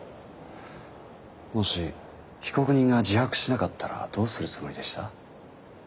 もし被告人が自白しなかったらどうするつもりでした？